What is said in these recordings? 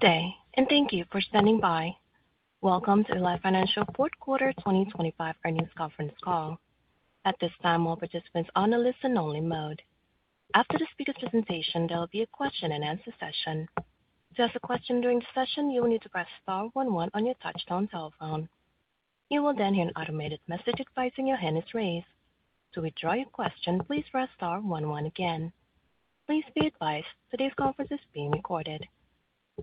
Good day, and thank you for standing by. Welcome to Ally Financial Fourth Quarter 2025 earnings conference call. At this time, all participants are on a listen-only mode. After the speaker's presentation, there will be a question-and-answer session. To ask a question during the session, you will need to press star 11 on your touch-tone telephone. You will then hear an automated message advising your hand is raised. To withdraw your question, please press star 11 again. Please be advised today's conference is being recorded.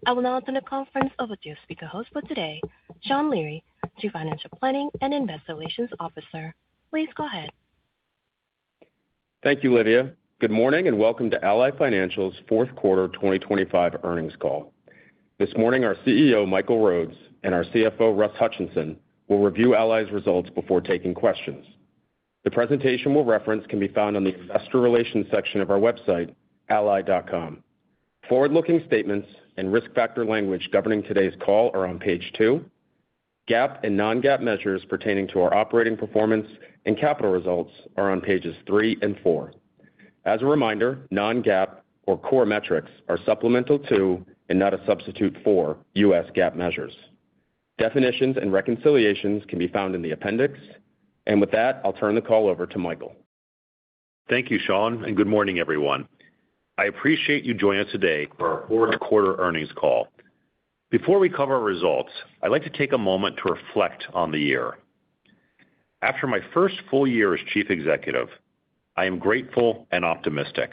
I will now turn the conference over to our speaker host for today, Sean Leary, Chief Financial Planning and Investor Relations Officer. Please go ahead. Thank you, Lydia. Good morning and welcome to Ally Financial's Fourth Quarter 2025 earnings call. This morning, our CEO, Michael Rhodes, and our CFO, Russ Hutchinson, will review Ally's results before taking questions. The presentation we'll reference can be found on the Investor Relations section of our website, Ally.com. Forward-looking statements and risk factor language governing today's call are on page two. GAAP and non-GAAP measures pertaining to our operating performance and capital results are on pages three and four. As a reminder, non-GAAP, or core metrics, are supplemental to and not a substitute for U.S. GAAP measures. Definitions and reconciliations can be found in the appendix, and with that, I'll turn the call over to Michael. Thank you, Sean, and good morning, everyone. I appreciate you joining us today for our Fourth Quarter earnings call. Before we cover our results, I'd like to take a moment to reflect on the year. After my first full year as Chief Executive, I am grateful and optimistic.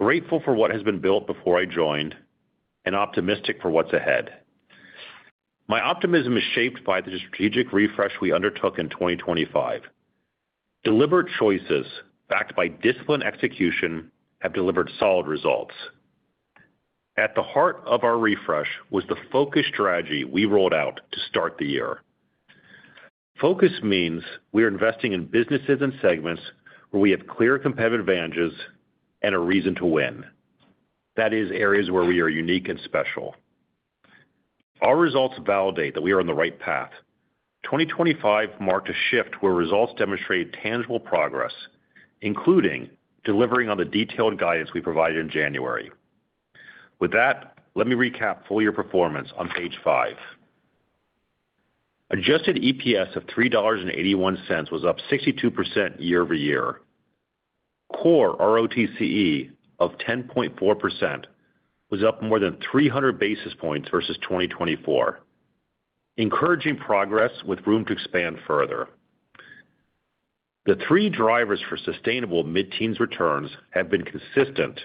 Grateful for what has been built before I joined, and optimistic for what's ahead. My optimism is shaped by the strategic refresh we undertook in 2025. Deliberate choices backed by disciplined execution have delivered solid results. At the heart of our refresh was the focused strategy we rolled out to start the year. Focus means we are investing in businesses and segments where we have clear competitive advantages and a reason to win. That is, areas where we are unique and special. Our results validate that we are on the right path. 2025 marked a shift where results demonstrated tangible progress, including delivering on the detailed guidance we provided in January. With that, let me recap full year performance on page five. Adjusted EPS of $3.81 was up 62% year-over-year. Core ROTCE of 10.4% was up more than 300 basis points versus 2024. Encouraging progress with room to expand further. The three drivers for sustainable mid-teens returns have been consistent,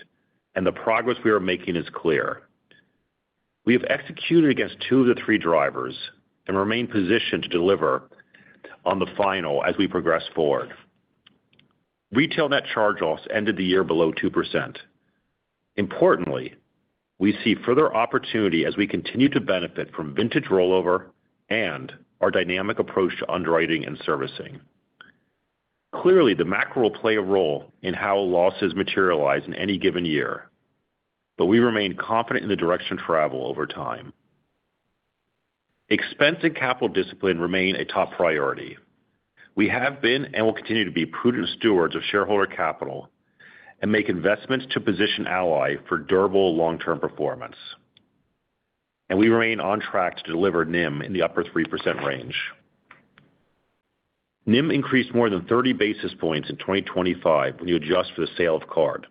and the progress we are making is clear. We have executed against two of the three drivers and remain positioned to deliver on the final as we progress forward. Retail net charge-offs ended the year below 2%. Importantly, we see further opportunity as we continue to benefit from vintage rollover and our dynamic approach to underwriting and servicing. Clearly, the macro will play a role in how losses materialize in any given year, but we remain confident in the direction of travel over time. Expense and capital discipline remain a top priority. We have been and will continue to be prudent stewards of shareholder capital and make investments to position Ally for durable long-term performance, and we remain on track to deliver NIM in the upper 3% range. NIM increased more than 30 basis points in 2025 when you adjust for the sale of card.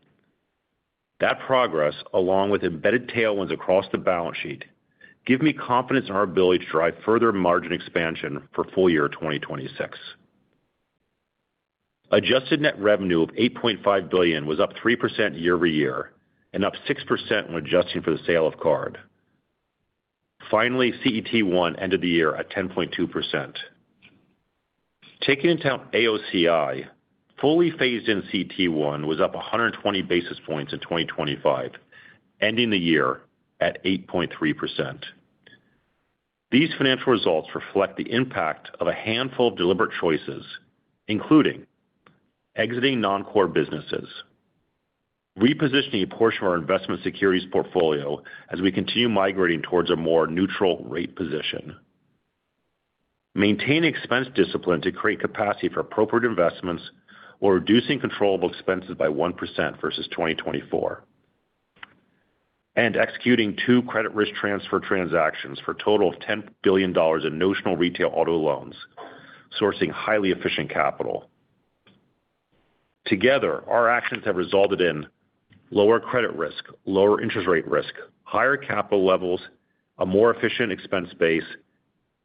That progress, along with embedded tailwinds across the balance sheet, gives me confidence in our ability to drive further margin expansion for full year 2026. Adjusted net revenue of $8.5 billion was up 3% year-over-year and up 6% when adjusting for the sale of card. Finally, CET1 ended the year at 10.2%. Taking into account AOCI, fully phased-in CET1 was up 120 basis points in 2025, ending the year at 8.3%. These financial results reflect the impact of a handful of deliberate choices, including exiting non-core businesses, repositioning a portion of our investment securities portfolio as we continue migrating towards a more neutral rate position, maintaining expense discipline to create capacity for appropriate investments, while reducing controllable expenses by 1% versus 2024, and executing two credit risk transfer transactions for a total of $10 billion in notional retail auto loans, sourcing highly efficient capital. Together, our actions have resulted in lower credit risk, lower interest rate risk, higher capital levels, a more efficient expense base,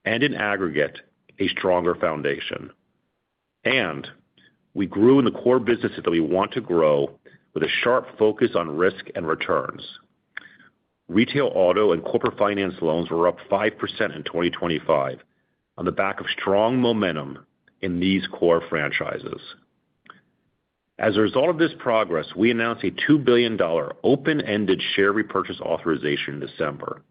and in aggregate, a stronger foundation. And we grew in the core businesses that we want to grow with a sharp focus on risk and returns. Retail auto and corporate finance loans were up 5% in 2025 on the back of strong momentum in these core franchises. As a result of this progress, we announced a $2 billion open-ended share repurchase authorization in December.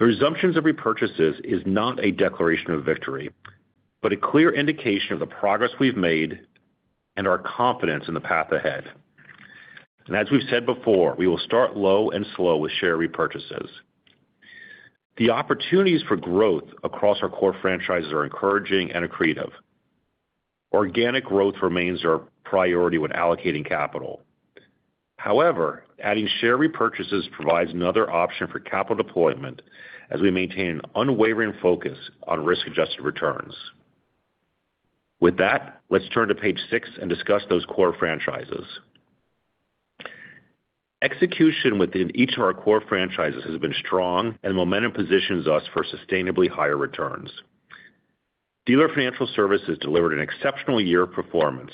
The resumption of repurchases is not a declaration of victory, but a clear indication of the progress we've made and our confidence in the path ahead. And as we've said before, we will start low and slow with share repurchases. The opportunities for growth across our core franchises are encouraging and accretive. Organic growth remains our priority when allocating capital. However, adding share repurchases provides another option for capital deployment as we maintain an unwavering focus on risk-adjusted returns. With that, let's turn to page six and discuss those core franchises. Execution within each of our core franchises has been strong, and momentum positions us for sustainably higher returns. Dealer Financial Services delivered an exceptional year of performance,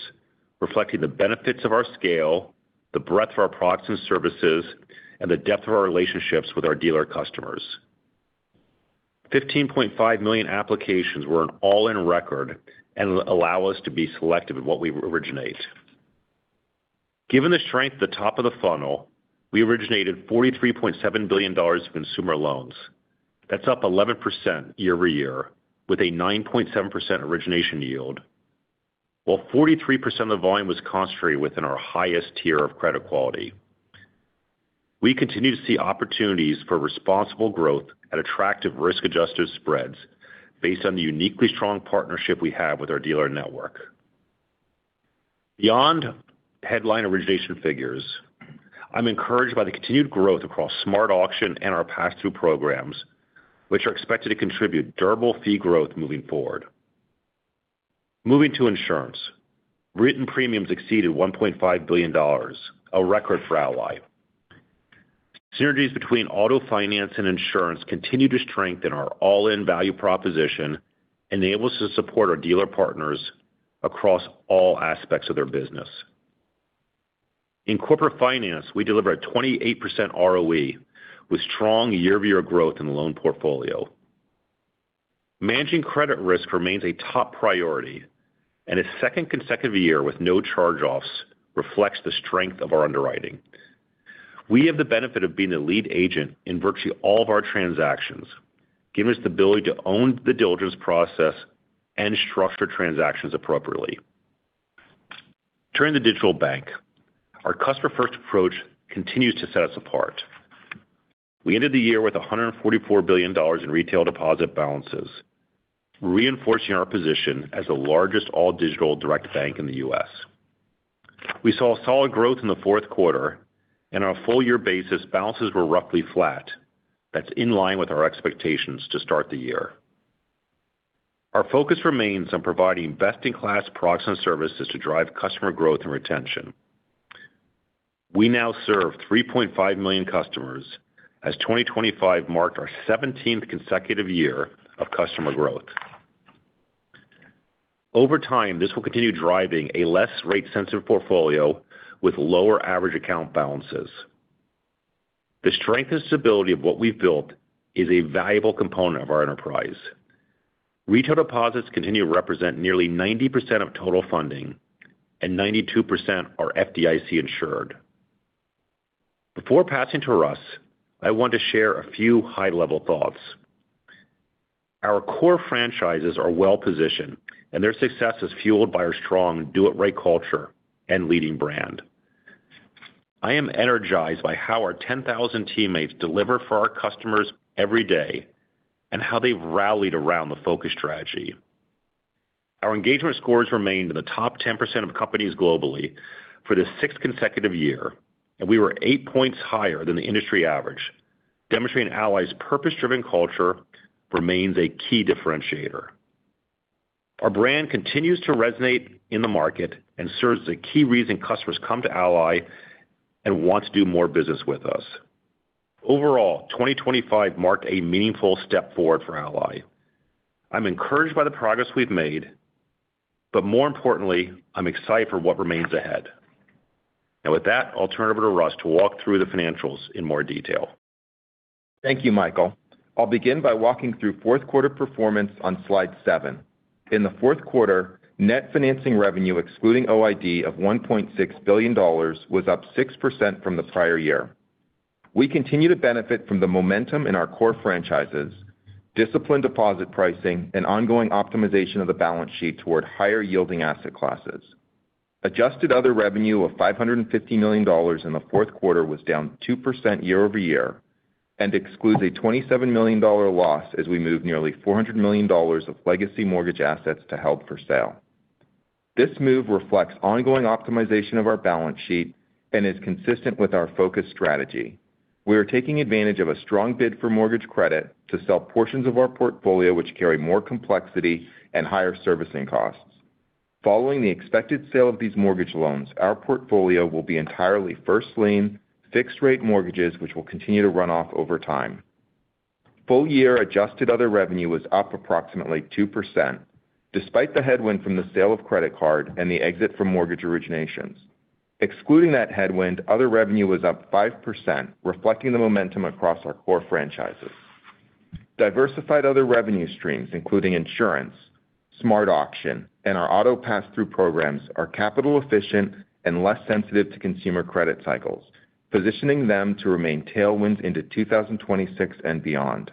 reflecting the benefits of our scale, the breadth of our products and services, and the depth of our relationships with our dealer customers. 15.5 million applications were an all-in record and allow us to be selective in what we originate. Given the strength at the top of the funnel, we originated $43.7 billion in consumer loans. That's up 11% year-over-year with a 9.7% origination yield, while 43% of the volume was concentrated within our highest tier of credit quality. We continue to see opportunities for responsible growth at attractive risk-adjusted spreads based on the uniquely strong partnership we have with our dealer network. Beyond headline origination figures, I'm encouraged by the continued growth across SmartAuction and our pass-through programs, which are expected to contribute durable fee growth moving forward. Moving to insurance, written premiums exceeded $1.5 billion, a record for Ally. Synergies between auto finance and insurance continue to strengthen our all-in value proposition and enable us to support our dealer partners across all aspects of their business. In corporate finance, we deliver a 28% ROE with strong year-over-year growth in the loan portfolio. Managing credit risk remains a top priority, and a second consecutive year with no charge-offs reflects the strength of our underwriting. We have the benefit of being the lead agent in virtually all of our transactions, giving us the ability to own the diligence process and structure transactions appropriately. Turning to digital bank, our customer-first approach continues to set us apart. We ended the year with $144 billion in retail deposit balances, reinforcing our position as the largest all-digital direct bank in the U.S. We saw solid growth in the fourth quarter, and on a full-year basis, balances were roughly flat. That's in line with our expectations to start the year. Our focus remains on providing best-in-class products and services to drive customer growth and retention. We now serve 3.5 million customers as 2025 marked our 17th consecutive year of customer growth. Over time, this will continue driving a less rate-sensitive portfolio with lower average account balances. The strength and stability of what we've built is a valuable component of our enterprise. Retail deposits continue to represent nearly 90% of total funding, and 92% are FDIC insured. Before passing to Russ, I want to share a few high-level thoughts. Our core franchises are well-positioned, and their success is fueled by our strong do-it-right culture and leading brand. I am energized by how our 10,000 teammates deliver for our customers every day and how they've rallied around the focus strategy. Our engagement scores remain in the top 10% of companies globally for the sixth consecutive year, and we were eight points higher than the industry average, demonstrating Ally's purpose-driven culture remains a key differentiator. Our brand continues to resonate in the market and serves as a key reason customers come to Ally and want to do more business with us. Overall, 2025 marked a meaningful step forward for Ally. I'm encouraged by the progress we've made, but more importantly, I'm excited for what remains ahead, and with that, I'll turn it over to Russ to walk through the financials in more detail. Thank you, Michael. I'll begin by walking through fourth quarter performance on slide seven. In the fourth quarter, net financing revenue, excluding OID, of $1.6 billion was up 6% from the prior year. We continue to benefit from the momentum in our core franchises, disciplined deposit pricing, and ongoing optimization of the balance sheet toward higher-yielding asset classes. Adjusted other revenue of $550 million in the fourth quarter was down 2% year-over-year and excludes a $27 million loss as we move nearly $400 million of legacy mortgage assets to held for sale. This move reflects ongoing optimization of our balance sheet and is consistent with our focus strategy. We are taking advantage of a strong bid for mortgage credit to sell portions of our portfolio which carry more complexity and higher servicing costs. Following the expected sale of these mortgage loans, our portfolio will be entirely first-lien fixed-rate mortgages, which will continue to run off over time. Full-year adjusted other revenue was up approximately 2%, despite the headwind from the sale of credit card and the exit from mortgage originations. Excluding that headwind, other revenue was up 5%, reflecting the momentum across our core franchises. Diversified other revenue streams, including insurance, SmartAuction, and our Auto Pass-Through Programs, are capital-efficient and less sensitive to consumer credit cycles, positioning them to remain tailwinds into 2026 and beyond.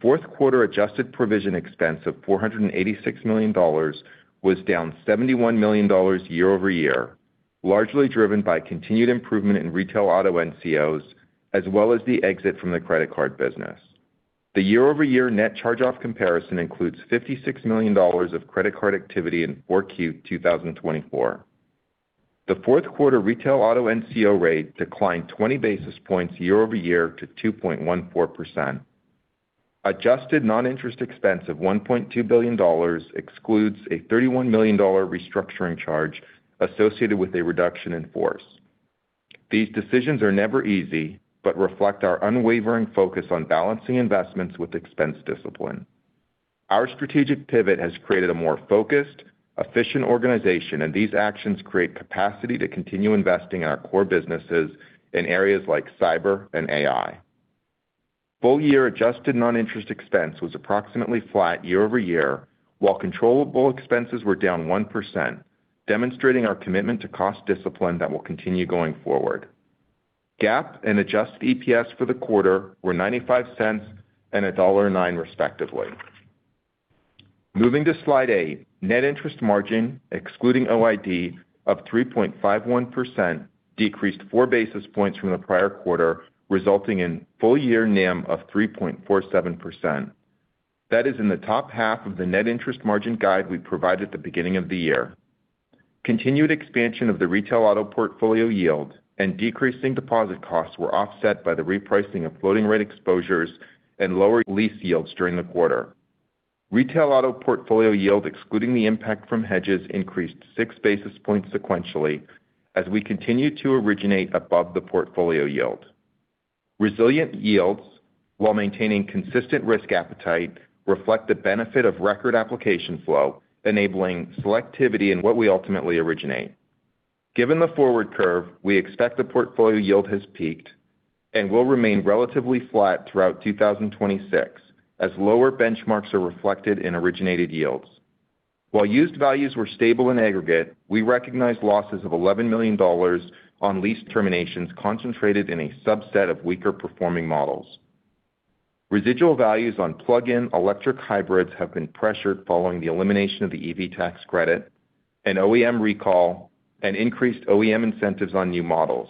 Fourth quarter adjusted provision expense of $486 million was down $71 million year-over-year, largely driven by continued improvement in retail auto NCOs, as well as the exit from the credit card business. The year-over-year net charge-off comparison includes $56 million of credit card activity in 4Q 2024. The fourth quarter retail auto NCO rate declined 20 basis points year-over-year to 2.14%. Adjusted non-interest expense of $1.2 billion excludes a $31 million restructuring charge associated with a reduction in force. These decisions are never easy, but reflect our unwavering focus on balancing investments with expense discipline. Our strategic pivot has created a more focused, efficient organization, and these actions create capacity to continue investing in our core businesses in areas like cyber and AI. Full-year adjusted non-interest expense was approximately flat year-over-year, while controllable expenses were down 1%, demonstrating our commitment to cost discipline that will continue going forward. GAAP and adjusted EPS for the quarter were $0.95 and $1.09, respectively. Moving to slide eight, net interest margin, excluding OID, of 3.51% decreased four basis points from the prior quarter, resulting in full-year NIM of 3.47%. That is in the top half of the net interest margin guide we provided at the beginning of the year. Continued expansion of the retail auto portfolio yield and decreasing deposit costs were offset by the repricing of floating-rate exposures and lower lease yields during the quarter. Retail auto portfolio yield, excluding the impact from hedges, increased six basis points sequentially as we continue to originate above the portfolio yield. Resilient yields, while maintaining consistent risk appetite, reflect the benefit of record application flow, enabling selectivity in what we ultimately originate. Given the forward curve, we expect the portfolio yield has peaked and will remain relatively flat throughout 2026, as lower benchmarks are reflected in originated yields. While used values were stable in aggregate, we recognize losses of $11 million on lease terminations concentrated in a subset of weaker-performing models. Residual values on plug-in electric hybrids have been pressured following the elimination of the EV tax credit, an OEM recall, and increased OEM incentives on new models.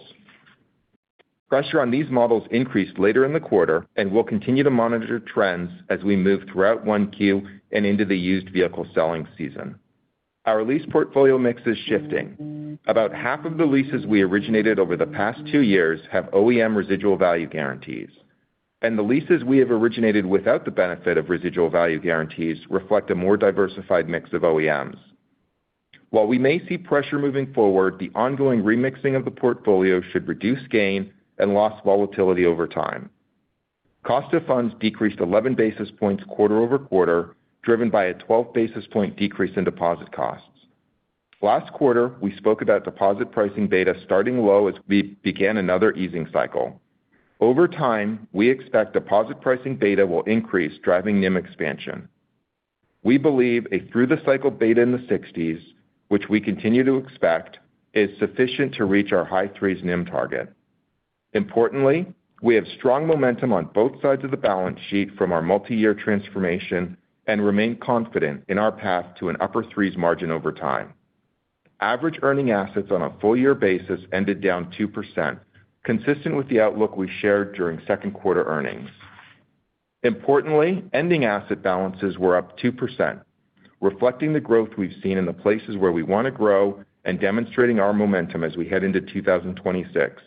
Pressure on these models increased later in the quarter, and we'll continue to monitor trends as we move throughout Q1 and into the used vehicle selling season. Our lease portfolio mix is shifting. About half of the leases we originated over the past two years have OEM residual value guarantees, and the leases we have originated without the benefit of residual value guarantees reflect a more diversified mix of OEMs. While we may see pressure moving forward, the ongoing remixing of the portfolio should reduce gain and loss volatility over time. Cost of funds decreased 11 basis points quarter over quarter, driven by a 12 basis points decrease in deposit costs. Last quarter, we spoke about deposit pricing beta starting low as we began another easing cycle. Over time, we expect deposit pricing beta will increase, driving NIM expansion. We believe a through-the-cycle beta in the 60s, which we continue to expect, is sufficient to reach our high-threes NIM target. Importantly, we have strong momentum on both sides of the balance sheet from our multi-year transformation and remain confident in our path to an upper-threes margin over time. Average earning assets on a full-year basis ended down 2%, consistent with the outlook we shared during second quarter earnings. Importantly, ending asset balances were up 2%, reflecting the growth we've seen in the places where we want to grow and demonstrating our momentum as we head into 2026.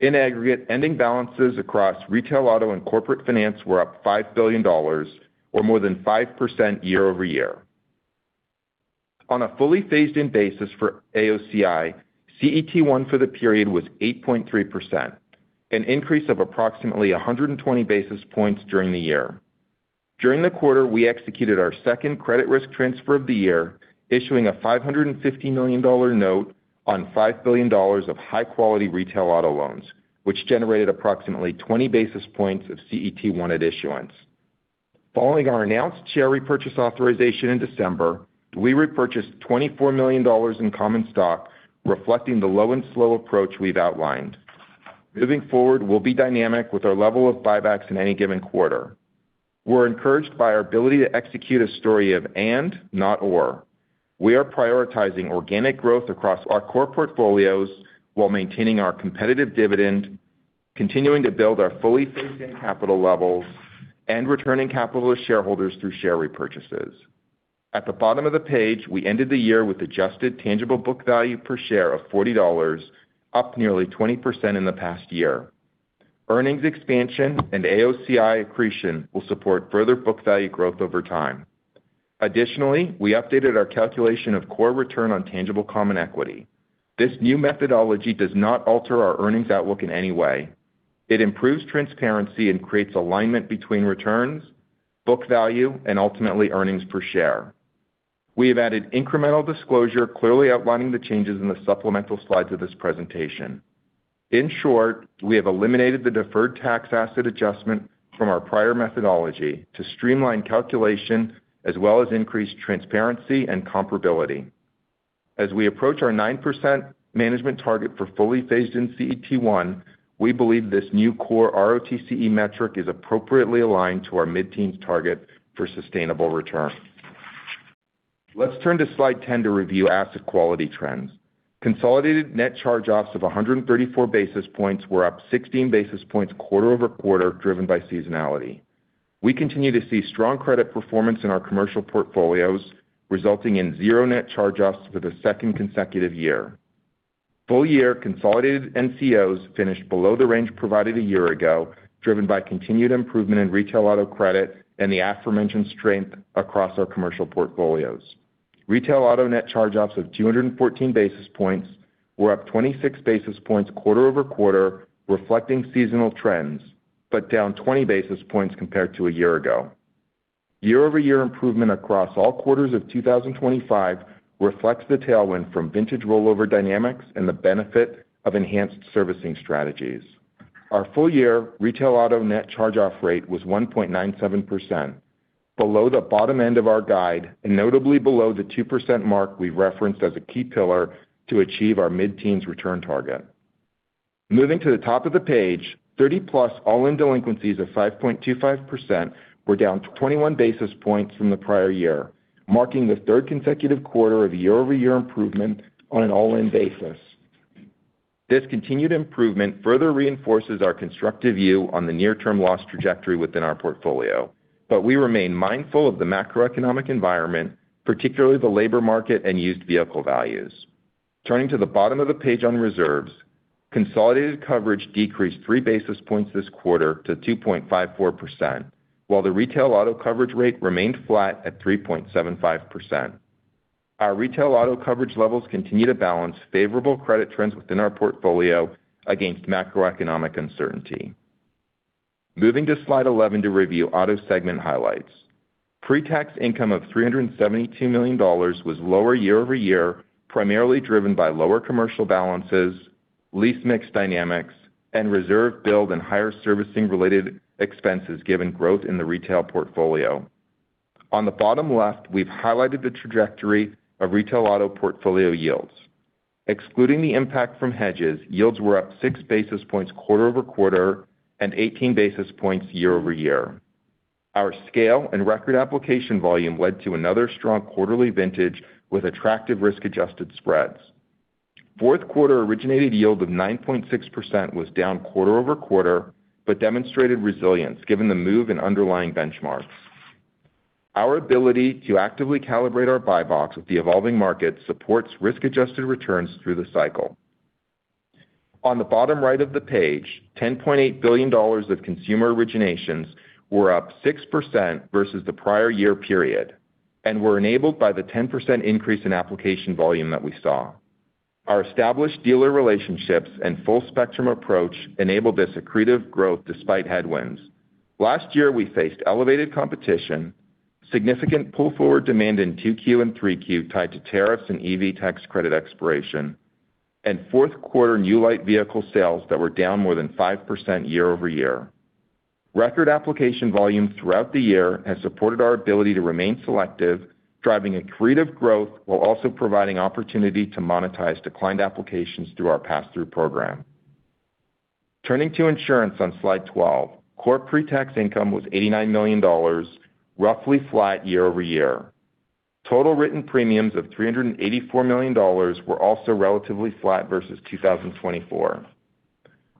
In aggregate, ending balances across retail auto and corporate finance were up $5 billion, or more than 5% year-over-year. On a fully phased-in basis for AOCI, CET1 for the period was 8.3%, an increase of approximately 120 basis points during the year. During the quarter, we executed our second credit risk transfer of the year, issuing a $550 million note on $5 billion of high-quality retail auto loans, which generated approximately 20 basis points of CET1 at issuance. Following our announced share repurchase authorization in December, we repurchased $24 million in common stock, reflecting the low-and-slow approach we've outlined. Moving forward, we'll be dynamic with our level of buybacks in any given quarter. We're encouraged by our ability to execute a story of "and, not or." We are prioritizing organic growth across our core portfolios while maintaining our competitive dividend, continuing to build our fully phased-in capital levels, and returning capital to shareholders through share repurchases. At the bottom of the page, we ended the year with adjusted tangible book value per share of $40, up nearly 20% in the past year. Earnings expansion and AOCI accretion will support further book value growth over time. Additionally, we updated our calculation of core return on tangible common equity. This new methodology does not alter our earnings outlook in any way. It improves transparency and creates alignment between returns, book value, and ultimately earnings per share. We have added incremental disclosure, clearly outlining the changes in the supplemental slides of this presentation. In short, we have eliminated the deferred tax asset adjustment from our prior methodology to streamline calculation as well as increase transparency and comparability. As we approach our 9% management target for fully phased-in CET1, we believe this new core ROTCE metric is appropriately aligned to our mid-teens target for sustainable return. Let's turn to slide 10 to review asset quality trends. Consolidated net charge-offs of 134 basis points were up 16 basis points quarter over quarter, driven by seasonality. We continue to see strong credit performance in our commercial portfolios, resulting in zero net charge-offs for the second consecutive year. Full-year consolidated NCOs finished below the range provided a year ago, driven by continued improvement in retail auto credit and the aforementioned strength across our commercial portfolios. Retail auto net charge-offs of 214 basis points were up 26 basis points quarter over quarter, reflecting seasonal trends, but down 20 basis points compared to a year ago. Year-over-year improvement across all quarters of 2025 reflects the tailwind from vintage rollover dynamics and the benefit of enhanced servicing strategies. Our full-year retail auto net charge-off rate was 1.97%, below the bottom end of our guide and notably below the 2% mark we referenced as a key pillar to achieve our mid-teens return target. Moving to the top of the page, 30-plus all-in delinquencies of 5.25% were down 21 basis points from the prior year, marking the third consecutive quarter of year-over-year improvement on an all-in basis. This continued improvement further reinforces our constructive view on the near-term loss trajectory within our portfolio, but we remain mindful of the macroeconomic environment, particularly the labor market and used vehicle values. Turning to the bottom of the page on reserves, consolidated coverage decreased three basis points this quarter to 2.54%, while the retail auto coverage rate remained flat at 3.75%. Our retail auto coverage levels continue to balance favorable credit trends within our portfolio against macroeconomic uncertainty. Moving to slide 11 to review auto segment highlights. Pre-tax income of $372 million was lower year-over-year, primarily driven by lower commercial balances, lease mix dynamics, and reserve build and higher servicing-related expenses given growth in the retail portfolio. On the bottom left, we've highlighted the trajectory of retail auto portfolio yields. Excluding the impact from hedges, yields were up 6 basis points quarter over quarter and 18 basis points year-over-year. Our scale and record application volume led to another strong quarterly vintage with attractive risk-adjusted spreads. Fourth quarter originated yield of 9.6% was down quarter over quarter, but demonstrated resilience given the move in underlying benchmarks. Our ability to actively calibrate our buybacks with the evolving market supports risk-adjusted returns through the cycle. On the bottom right of the page, $10.8 billion of consumer originations were up 6% versus the prior year period and were enabled by the 10% increase in application volume that we saw. Our established dealer relationships and full-spectrum approach enabled this accretive growth despite headwinds. Last year, we faced elevated competition, significant pull-forward demand in Q2 and Q3 tied to tariffs and EV tax credit expiration, and fourth quarter new light vehicle sales that were down more than 5% year-over-year. Record application volume throughout the year has supported our ability to remain selective, driving accretive growth while also providing opportunity to monetize declined applications through our pass-through program. Turning to insurance on slide 12, core pre-tax income was $89 million, roughly flat year-over-year. Total written premiums of $384 million were also relatively flat versus 2024,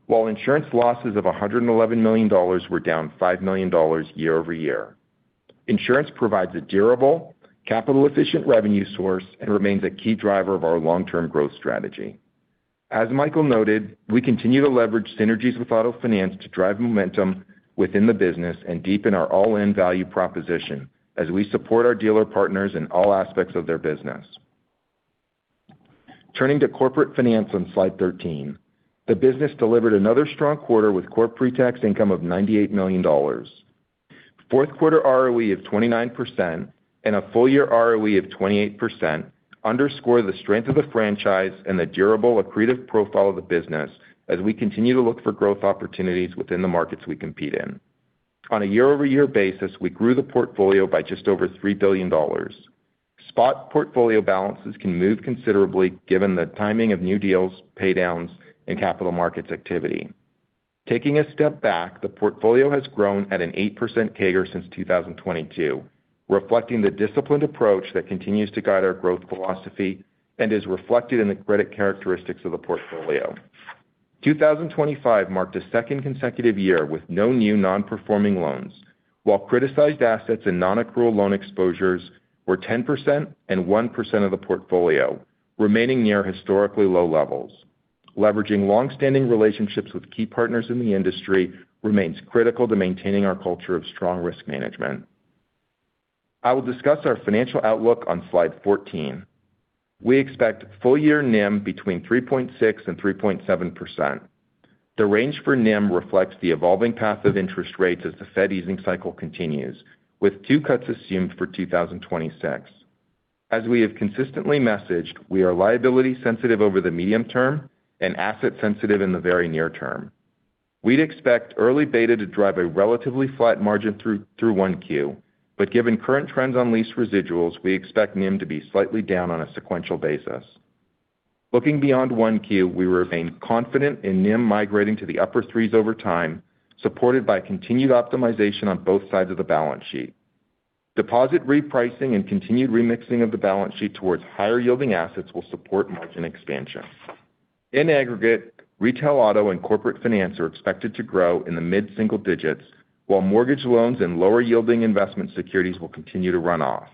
while insurance losses of $111 million were down $5 million year-over-year. Insurance provides a durable, capital-efficient revenue source and remains a key driver of our long-term growth strategy. As Michael noted, we continue to leverage synergies with auto finance to drive momentum within the business and deepen our all-in value proposition as we support our dealer partners in all aspects of their business. Turning to corporate finance on slide 13, the business delivered another strong quarter with core pre-tax income of $98 million. Fourth quarter ROE of 29% and a full-year ROE of 28% underscore the strength of the franchise and the durable, accretive profile of the business as we continue to look for growth opportunities within the markets we compete in. On a year-over-year basis, we grew the portfolio by just over $3 billion. Spot portfolio balances can move considerably given the timing of new deals, paydowns, and capital markets activity. Taking a step back, the portfolio has grown at an eight% CAGR since 2022, reflecting the disciplined approach that continues to guide our growth philosophy and is reflected in the credit characteristics of the portfolio. 2025 marked a second consecutive year with no new non-performing loans, while criticized assets and non-accrual loan exposures were 10% and one% of the portfolio, remaining near historically low levels. Leveraging long-standing relationships with key partners in the industry remains critical to maintaining our culture of strong risk management. I will discuss our financial outlook on slide 14. We expect full-year NIM between 3.6% and 3.7%. The range for NIM reflects the evolving path of interest rates as the Fed easing cycle continues, with two cuts assumed for 2026. As we have consistently messaged, we are liability-sensitive over the medium term and asset-sensitive in the very near term. We'd expect early beta to drive a relatively flat margin through 1Q, but given current trends on lease residuals, we expect NIM to be slightly down on a sequential basis. Looking beyond 1Q, we remain confident in NIM migrating to the upper threes over time, supported by continued optimization on both sides of the balance sheet. Deposit repricing and continued remixing of the balance sheet towards higher-yielding assets will support margin expansion. In aggregate, retail auto and corporate finance are expected to grow in the mid-single digits, while mortgage loans and lower-yielding investment securities will continue to run off.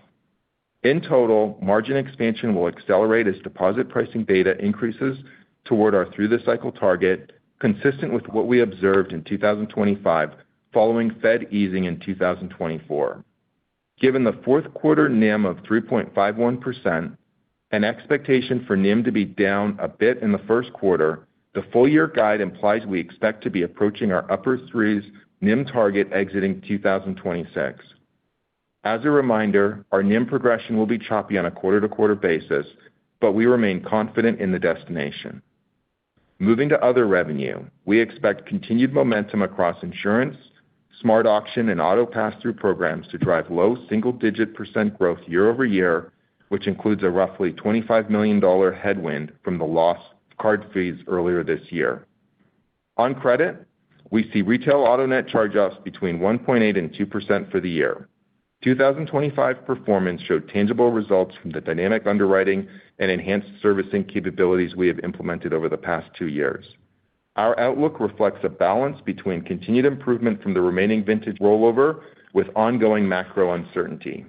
In total, margin expansion will accelerate as deposit pricing beta increases toward our through-the-cycle target, consistent with what we observed in 2025 following Fed easing in 2024. Given the fourth quarter NIM of 3.51% and expectation for NIM to be down a bit in the first quarter, the full-year guide implies we expect to be approaching our upper threes NIM target exiting 2026. As a reminder, our NIM progression will be choppy on a quarter-to-quarter basis, but we remain confident in the destination. Moving to other revenue, we expect continued momentum across insurance, SmartAuction, and Auto Pass-Through Programs to drive low single-digit % growth year-over-year, which includes a roughly $25 million headwind from the loss of card fees earlier this year. On credit, we see retail auto net charge-offs between 1.8% and 2% for the year. 2025 performance showed tangible results from the dynamic underwriting and enhanced servicing capabilities we have implemented over the past two years. Our outlook reflects a balance between continued improvement from the remaining vintage rollover with ongoing macro uncertainty.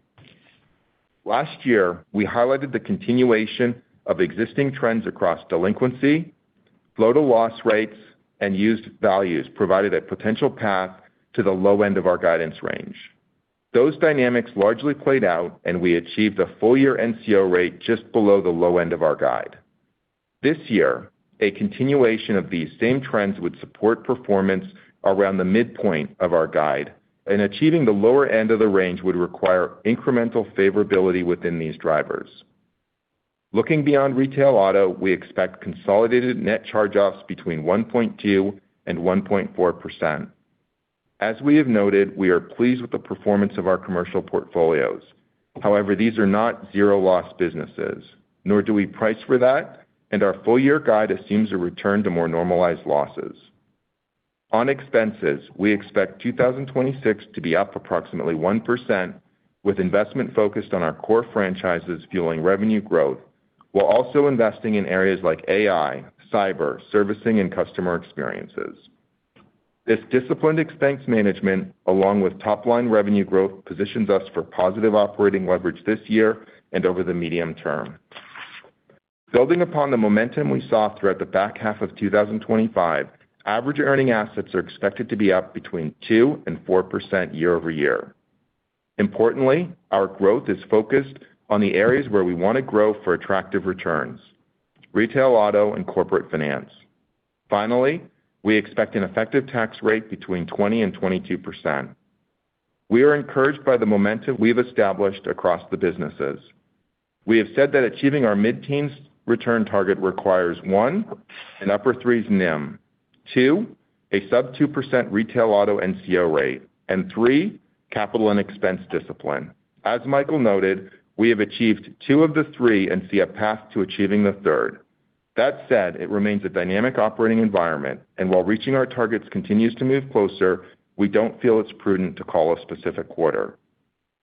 Last year, we highlighted the continuation of existing trends across delinquency, flow-to-loss rates, and used values, provided a potential path to the low end of our guidance range. Those dynamics largely played out, and we achieved a full-year NCO rate just below the low end of our guide. This year, a continuation of these same trends would support performance around the midpoint of our guide, and achieving the lower end of the range would require incremental favorability within these drivers. Looking beyond retail auto, we expect consolidated net charge-offs between 1.2% and 1.4%. As we have noted, we are pleased with the performance of our commercial portfolios. However, these are not zero-loss businesses, nor do we price for that, and our full-year guide assumes a return to more normalized losses. On expenses, we expect 2026 to be up approximately 1%, with investment focused on our core franchises fueling revenue growth while also investing in areas like AI, cyber, servicing, and customer experiences. This disciplined expense management, along with top-line revenue growth, positions us for positive operating leverage this year and over the medium term. Building upon the momentum we saw throughout the back half of 2025, average earning assets are expected to be up between 2% and 4% year-over-year. Importantly, our growth is focused on the areas where we want to grow for attractive returns: retail auto and corporate finance. Finally, we expect an effective tax rate between 20% and 22%. We are encouraged by the momentum we've established across the businesses. We have said that achieving our mid-teens return target requires: one, an upper threes NIM; two, a sub-2% retail auto NCO rate; and three, capital and expense discipline. As Michael noted, we have achieved two of the three and see a path to achieving the third. That said, it remains a dynamic operating environment, and while reaching our targets continues to move closer, we don't feel it's prudent to call a specific quarter.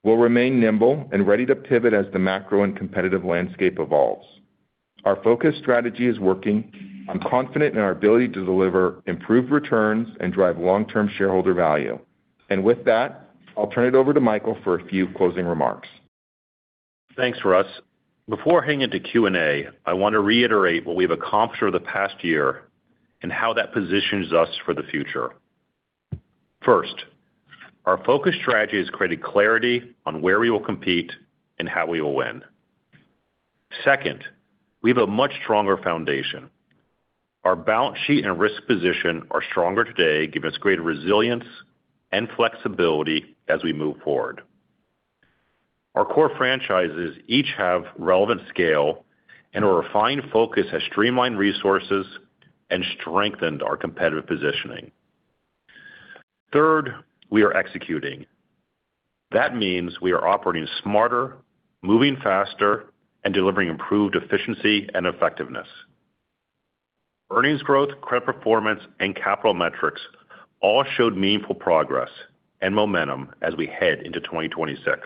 We'll remain nimble and ready to pivot as the macro and competitive landscape evolves. Our focus strategy is working. I'm confident in our ability to deliver improved returns and drive long-term shareholder value. And with that, I'll turn it over to Michael for a few closing remarks. Thanks, Russ. Before I hand it over to Q&A, I want to reiterate what we've accomplished over the past year and how that positions us for the future. First, our focus strategy has created clarity on where we will compete and how we will win. Second, we have a much stronger foundation. Our balance sheet and risk position are stronger today, giving us greater resilience and flexibility as we move forward. Our core franchises each have relevant scale, and our refined focus has streamlined resources and strengthened our competitive positioning. Third, we are executing. That means we are operating smarter, moving faster, and delivering improved efficiency and effectiveness. Earnings growth, credit performance, and capital metrics all showed meaningful progress and momentum as we head into 2026.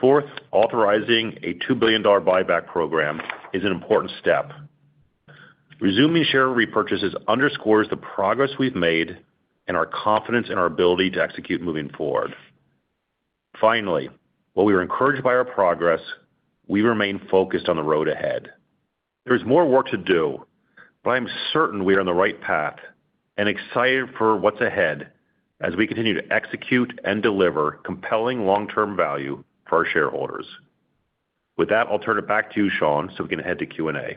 Fourth, authorizing a $2 billion buyback program is an important step. Resuming share repurchases underscores the progress we've made and our confidence in our ability to execute moving forward. Finally, while we are encouraged by our progress, we remain focused on the road ahead. There is more work to do, but I'm certain we are on the right path and excited for what's ahead as we continue to execute and deliver compelling long-term value for our shareholders. With that, I'll turn it back to you, Sean, so we can head to Q&A.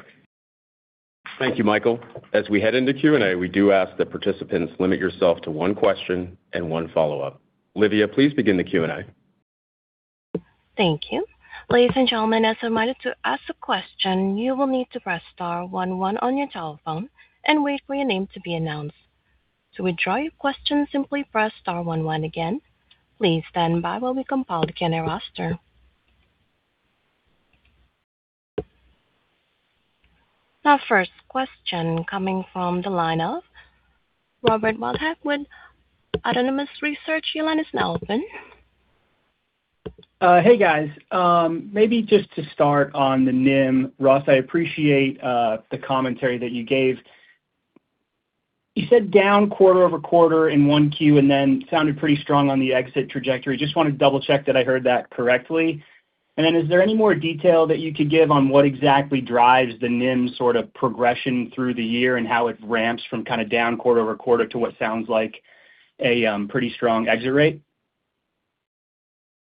Thank you, Michael. As we head into Q&A, we do ask that participants limit yourself to one question and one follow-up. Lydia, please begin the Q&A. Thank you. Ladies and gentlemen, as a reminder to ask a question, you will need to press star 11 on your telephone and wait for your name to be announced. To withdraw your question, simply press star 11 again. Please stand by while we compile the candidate roster. Our first question coming from the line ofRobert Wildhack with Autonomous Research. Your line is now open. Hey, guys. Maybe just to start on the NIM, Russ, I appreciate the commentary that you gave. You said down quarter over quarter in Q1 and then sounded pretty strong on the exit trajectory. Just want to double-check that I heard that correctly. And then is there any more detail that you could give on what exactly drives the NIM sort of progression through the year and how it ramps from kind of down quarter over quarter to what sounds like a pretty strong exit rate?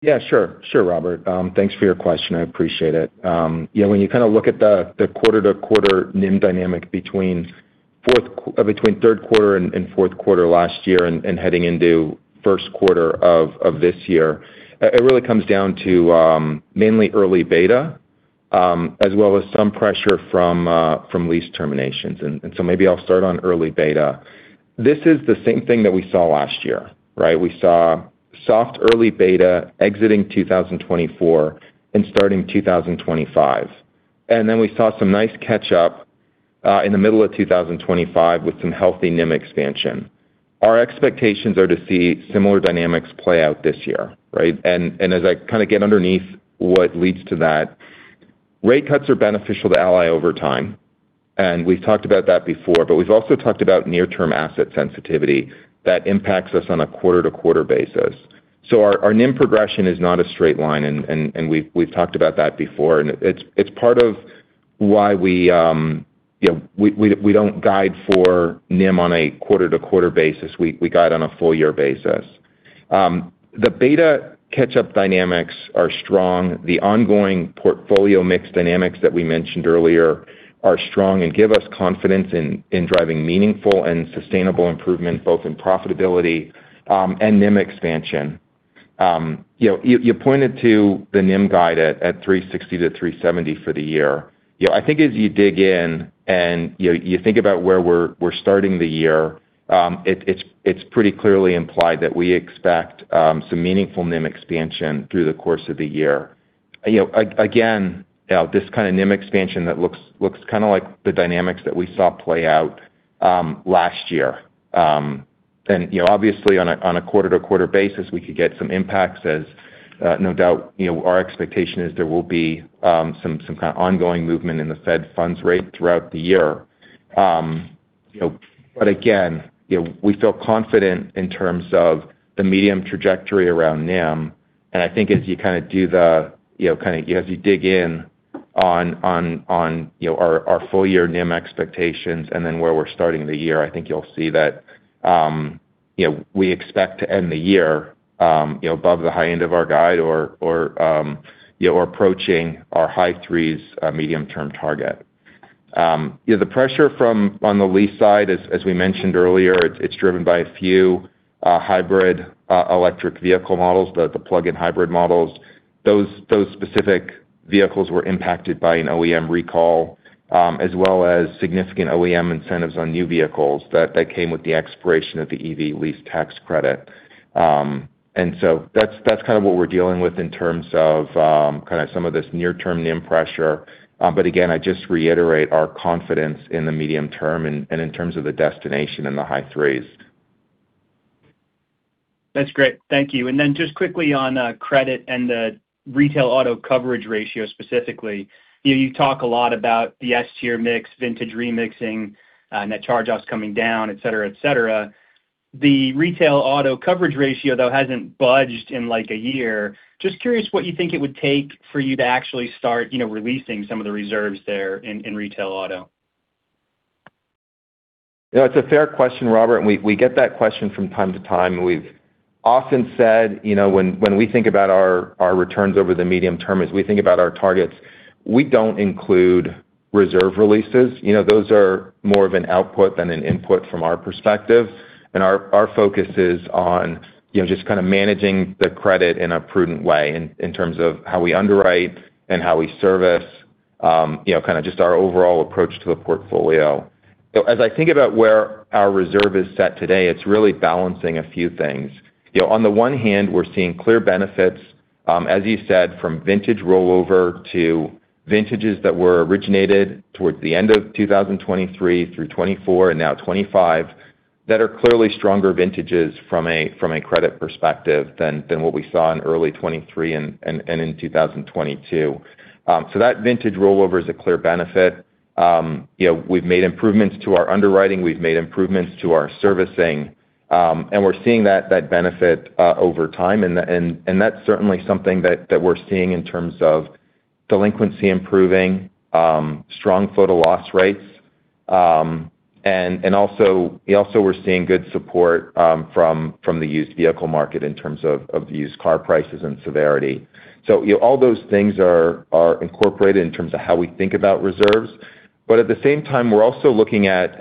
Yeah, sure. Sure, Robert. Thanks for your question. I appreciate it. Yeah, when you kind of look at the quarter-to-quarter NIM dynamic between third quarter and fourth quarter last year and heading into first quarter of this year, it really comes down to mainly early beta as well as some pressure from lease terminations. And so maybe I'll start on early beta. This is the same thing that we saw last year, right? We saw soft early beta exiting 2024 and starting 2025. And then we saw some nice catch-up in the middle of 2025 with some healthy NIM expansion. Our expectations are to see similar dynamics play out this year, right? And as I kind of get underneath what leads to that, rate cuts are beneficial to Ally over time. And we've talked about that before, but we've also talked about near-term asset sensitivity that impacts us on a quarter-to-quarter basis. So our NIM progression is not a straight line, and we've talked about that before. And it's part of why we don't guide for NIM on a quarter-to-quarter basis. We guide on a full-year basis. The beta catch-up dynamics are strong. The ongoing portfolio mix dynamics that we mentioned earlier are strong and give us confidence in driving meaningful and sustainable improvement both in profitability and NIM expansion. You pointed to the NIM guide at 360-370 for the year. I think as you dig in and you think about where we're starting the year, it's pretty clearly implied that we expect some meaningful NIM expansion through the course of the year. Again, this kind of NIM expansion that looks kind of like the dynamics that we saw play out last year. And obviously, on a quarter-to-quarter basis, we could get some impacts as no doubt our expectation is there will be some kind of ongoing movement in the Fed funds rate throughout the year. But again, we feel confident in terms of the medium trajectory around NIM. I think as you kind of dig in on our full-year NIM expectations and then where we're starting the year, I think you'll see that we expect to end the year above the high end of our guide or approaching our high threes medium-term target. The pressure from the lease side, as we mentioned earlier, it's driven by a few hybrid electric vehicle models, the plug-in hybrid models. Those specific vehicles were impacted by an OEM recall as well as significant OEM incentives on new vehicles that came with the expiration of the EV lease tax credit. And so that's kind of what we're dealing with in terms of kind of some of this near-term NIM pressure. But again, I just reiterate our confidence in the medium term and in terms of the destination and the high threes. That's great. Thank you. Then just quickly on credit and the retail auto coverage ratio specifically, you talk a lot about the S-Tier mix, vintage remixing, net charge-offs coming down, etc., etc. The retail auto coverage ratio, though, hasn't budged in like a year. Just curious what you think it would take for you to actually start releasing some of the reserves there in retail auto. Yeah, it's a fair question, Robert. We get that question from time to time. We've often said when we think about our returns over the medium term, as we think about our targets, we don't include reserve releases. Those are more of an output than an input from our perspective. Our focus is on just kind of managing the credit in a prudent way in terms of how we underwrite and how we service kind of just our overall approach to the portfolio. As I think about where our reserve is set today, it's really balancing a few things. On the one hand, we're seeing clear benefits, as you said, from vintage rollover to vintages that were originated towards the end of 2023 through 2024 and now 2025 that are clearly stronger vintages from a credit perspective than what we saw in early 2023 and in 2022, so that vintage rollover is a clear benefit. We've made improvements to our underwriting. We've made improvements to our servicing, and we're seeing that benefit over time, and that's certainly something that we're seeing in terms of delinquency improving, strong float-to-loss rates, and also we're seeing good support from the used vehicle market in terms of used car prices and severity, so all those things are incorporated in terms of how we think about reserves. But at the same time, we're also looking at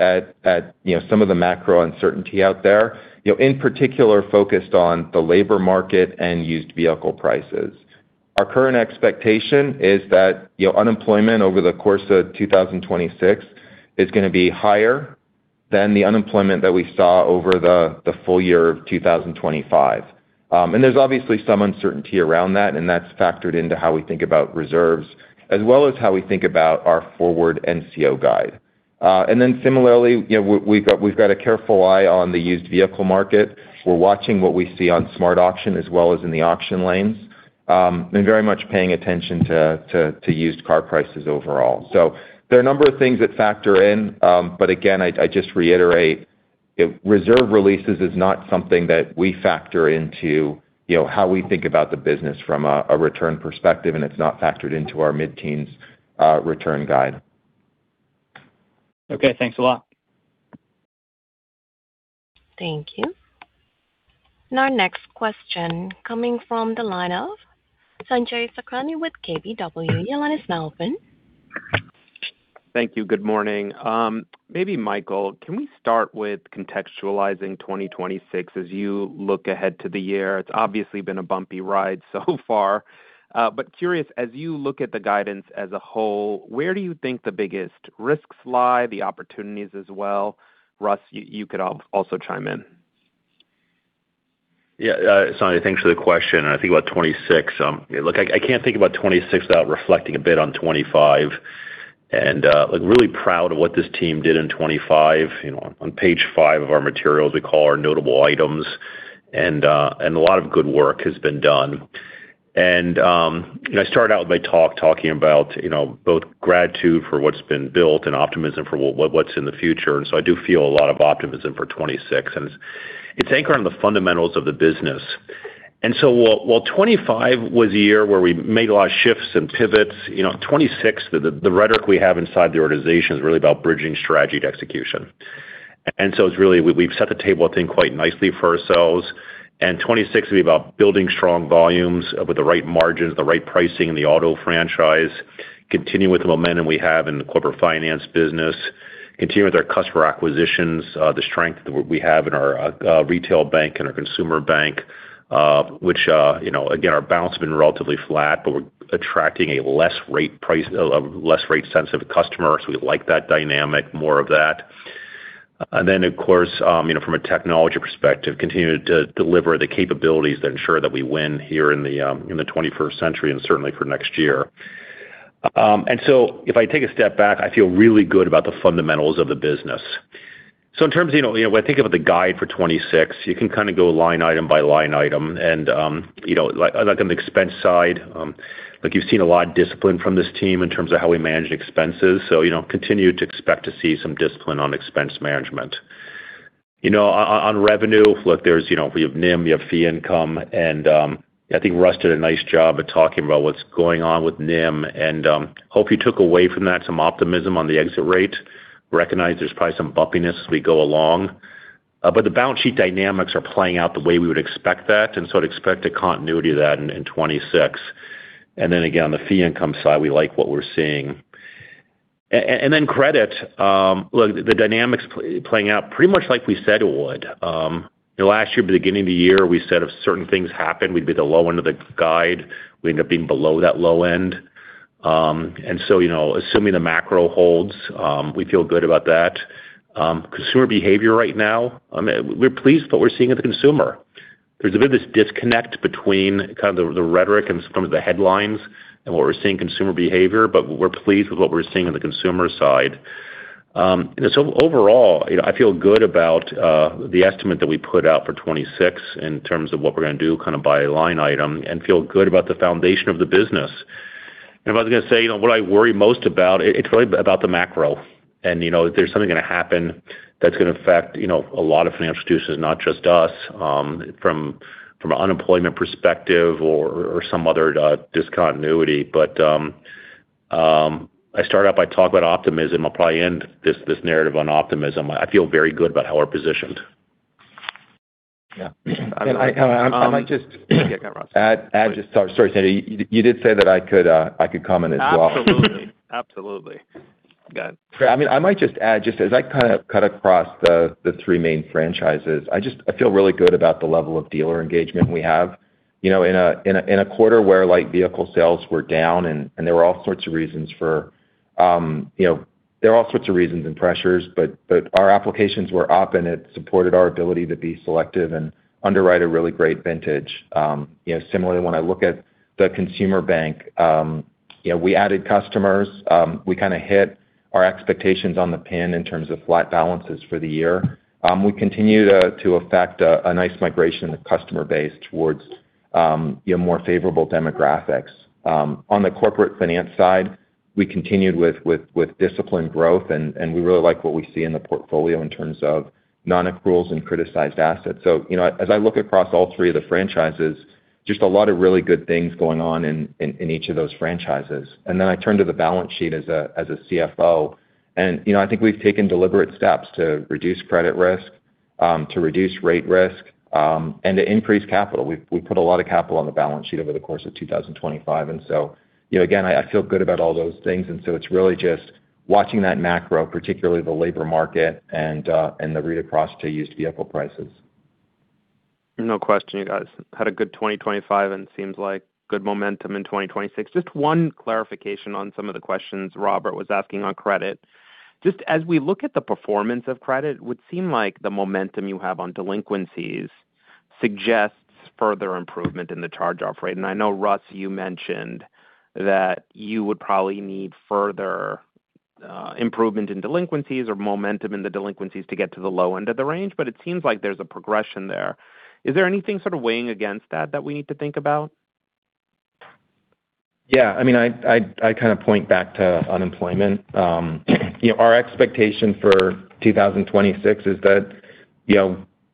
some of the macro uncertainty out there, in particular focused on the labor market and used vehicle prices. Our current expectation is that unemployment over the course of 2026 is going to be higher than the unemployment that we saw over the full year of 2025. And there's obviously some uncertainty around that, and that's factored into how we think about reserves as well as how we think about our forward NCO guide. And then similarly, we've got a careful eye on the used vehicle market. We're watching what we see on SmartAuction as well as in the auction lanes and very much paying attention to used car prices overall. So there are a number of things that factor in. But again, I just reiterate, reserve releases is not something that we factor into how we think about the business from a return perspective, and it's not factored into our mid-teens return guide. Okay, thanks a lot. Thank you. And our next question coming from the line of Sanjay Sakhrani with KBW. Your line is now open. Thank you. Good morning. Maybe Michael, can we start with contextualizing 2026 as you look ahead to the year? It's obviously been a bumpy ride so far. But curious, as you look at the guidance as a whole, where do you think the biggest risks lie, the opportunities as well? Russ, you could also chime in. Yeah, Sanjay, thanks for the question. And I think about 2026. Look, I can't think about 2026 without reflecting a bit on 2025. And really proud of what this team did in 2025. On page five of our materials, we call our notable items. And a lot of good work has been done. And I started out with my talk talking about both gratitude for what's been built and optimism for what's in the future. And so I do feel a lot of optimism for 2026. And it's anchored on the fundamentals of the business. And so while 2025 was a year where we made a lot of shifts and pivots, 2026, the rhetoric we have inside the organization is really about bridging strategy to execution. And so it's really we've set the table, I think, quite nicely for ourselves. And 2026 will be about building strong volumes with the right margins, the right pricing in the auto franchise, continuing with the momentum we have in the corporate finance business, continuing with our customer acquisitions, the strength that we have in our retail bank and our consumer bank, which, again, our balance has been relatively flat, but we're attracting a less rate-sensitive customer. So we like that dynamic, more of that. And then, of course, from a technology perspective, continue to deliver the capabilities that ensure that we win here in the 21st century and certainly for next year. And so if I take a step back, I feel really good about the fundamentals of the business. So in terms of when I think about the guide for 2026, you can kind of go line item by line item. And like on the expense side, you've seen a lot of discipline from this team in terms of how we manage expenses. So continue to expect to see some discipline on expense management. On revenue, look, there's we have NIM, we have fee income. And I think Russ did a nice job of talking about what's going on with NIM. And hope you took away from that some optimism on the exit rate. Recognize there's probably some bumpiness as we go along. But the balance sheet dynamics are playing out the way we would expect that. And so I'd expect a continuity of that in 2026. And then again, on the fee income side, we like what we're seeing. And then credit, look, the dynamics playing out pretty much like we said it would. Last year, beginning of the year, we said if certain things happened, we'd be at the low end of the guide. We ended up being below that low end. And so assuming the macro holds, we feel good about that. Consumer behavior right now, we're pleased with what we're seeing with the consumer. There's a bit of this disconnect between kind of the rhetoric in terms of the headlines and what we're seeing consumer behavior, but we're pleased with what we're seeing on the consumer side. And so overall, I feel good about the estimate that we put out for 2026 in terms of what we're going to do kind of by line item and feel good about the foundation of the business. And I was going to say, what I worry most about, it's really about the macro. And there's something going to happen that's going to affect a lot of financial institutions, not just us, from an unemployment perspective or some other discontinuity. But I start out by talking about optimism. I'll probably end this narrative on optimism. I feel very good about how we're positioned. Yeah. I might just add, sorry, Sanjay. You did say that I could comment as well. Absolutely. Absolutely. I might just add as I kind of cut across the three main franchises, I feel really good about the level of dealer engagement we have. In a quarter where light vehicle sales were down, and there were all sorts of reasons and pressures, but our applications were up, and it supported our ability to be selective and underwrite a really great vintage. Similarly, when I look at the consumer bank, we added customers. We kind of hit our expectations on the NIM in terms of flat balances for the year. We continue to effect a nice migration of the customer base towards more favorable demographics. On the corporate finance side, we continued with disciplined growth, and we really like what we see in the portfolio in terms of non-accruals and criticized assets. So as I look across all three of the franchises, just a lot of really good things going on in each of those franchises. And then I turned to the balance sheet as a CFO. And I think we've taken deliberate steps to reduce credit risk, to reduce rate risk, and to increase capital. We put a lot of capital on the balance sheet over the course of 2025. And so again, I feel good about all those things. And so it's really just watching that macro, particularly the labor market and the read across to used vehicle prices. No question. You guys had a good 2025 and seems like good momentum in 2026. Just one clarification on some of the questions Robert was asking on credit. Just as we look at the performance of credit, it would seem like the momentum you have on delinquencies suggests further improvement in the charge-off rate. And I know, Russ, you mentioned that you would probably need further improvement in delinquencies or momentum in the delinquencies to get to the low end of the range, but it seems like there's a progression there. Is there anything sort of weighing against that that we need to think about? Yeah. I mean, I kind of point back to unemployment. Our expectation for 2026 is that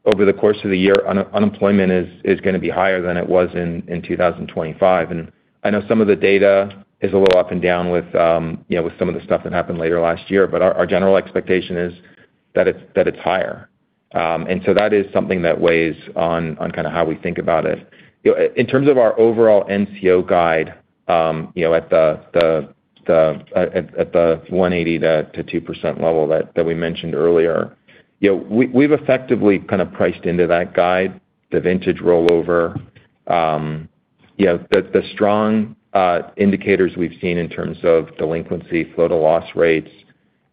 over the course of the year, unemployment is going to be higher than it was in 2025, and I know some of the data is a little up and down with some of the stuff that happened later last year, but our general expectation is that it's higher, and so that is something that weighs on kind of how we think about it. In terms of our overall NCO guide at the 1.80%-2% level that we mentioned earlier, we've effectively kind of priced into that guide the vintage rollover, the strong indicators we've seen in terms of delinquency, float-to-loss rates,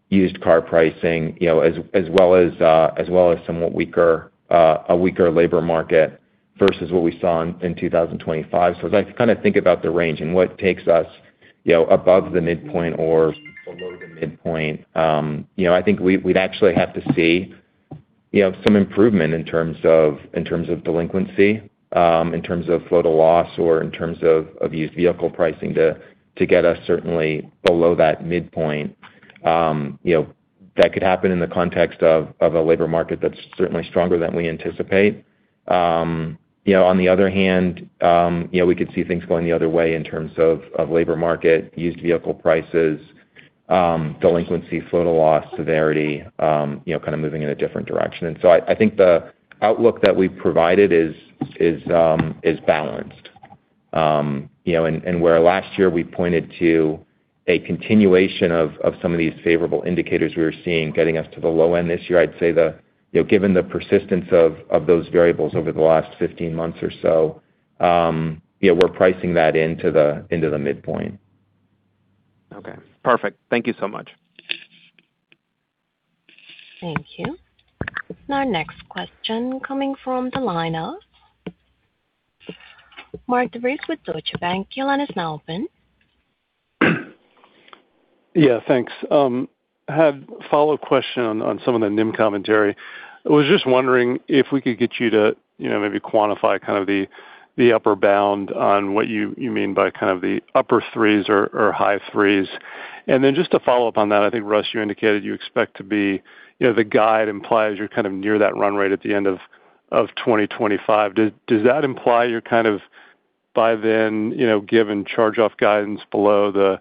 used car pricing, as well as somewhat weaker labor market versus what we saw in 2025. So as I kind of think about the range and what takes us above the midpoint or below the midpoint, I think we'd actually have to see some improvement in terms of delinquency, in terms of float-to-loss or in terms of used vehicle pricing to get us certainly below that midpoint. That could happen in the context of a labor market that's certainly stronger than we anticipate. On the other hand, we could see things going the other way in terms of labor market, used vehicle prices, delinquency, float-to-loss severity kind of moving in a different direction. And so I think the outlook that we've provided is balanced. Where last year we pointed to a continuation of some of these favorable indicators we were seeing getting us to the low end this year, I'd say given the persistence of those variables over the last 15 months or so, we're pricing that into the midpoint. Okay. Perfect. Thank you so much. Thank you. Our next question coming from the line of Mark DeVries with Deutsche Bank. Your line is now open. Yeah, thanks. Had a follow-up question on some of the NIM commentary. I was just wondering if we could get you to maybe quantify kind of the upper bound on what you mean by kind of the upper threes or high threes. And then just to follow up on that, I think, Russ, you indicated you expect to be the guide implies you're kind of near that run rate at the end of 2025. Does that imply you're kind of by then given charge-off guidance below the